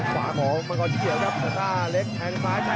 ขวาของมังกอลชิเกียร์ครับสถาเล็กแทงซ้ายแทงขวา